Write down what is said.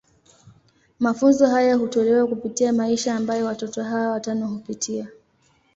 Mafunzo haya hutolewa kupitia maisha ambayo watoto hawa watano hupitia.